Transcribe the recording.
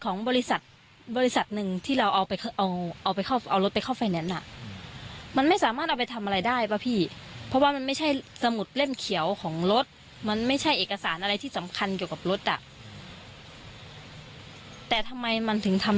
กระดาษใบเสร็จของบริษัท